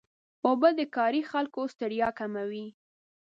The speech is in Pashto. اوبه د کاري خلکو ستړیا کموي.